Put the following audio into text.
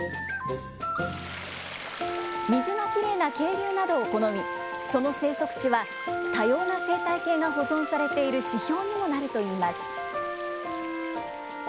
水のきれいな渓流などを好み、その生息地は多様な生態系が保存されている指標にもなるといいます。